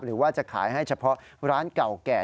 หรือว่าจะขายให้เฉพาะร้านเก่าแก่